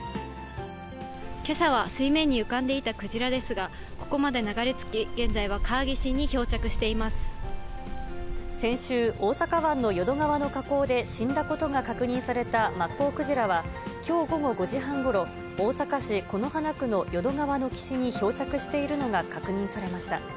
けさは水面に浮かんでいたクジラですが、ここまで流れ着き、先週、大阪湾の淀川の河口で死んだことが確認されたマッコウクジラは、きょう午後５時半ごろ、大阪市此花区の淀川の岸に漂着しているのが確認されました。